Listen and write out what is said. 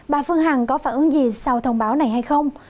bà phương hằng có phản ứng gì sau thông báo này hay không